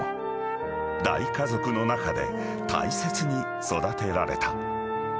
［大家族の中で大切に育てられた］